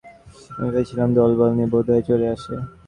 আমি ভেবেছিলাম দলবল নিয়ে বোধহয় চলে আসে।